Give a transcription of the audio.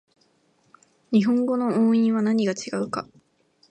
日本語の音韻は何が違うか